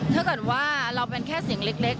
ถ้าเกิดว่าเราเป็นแค่เสียงเล็ก